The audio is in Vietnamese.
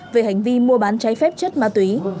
về hành vi mua bán trái phép chất ma túy